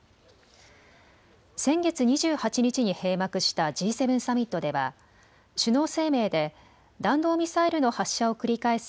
先月２８日に閉幕したＧ７サミットでは首脳声明で弾道ミサイルの発射を繰り返す